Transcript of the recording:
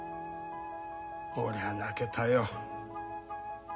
俺は泣けたよ。